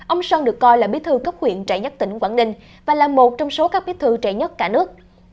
ông sơn được coi là bí thư cấp huyện trẻ nhất tỉnh quảng ninh và là một trong số các bí thư trẻ nhất cả nước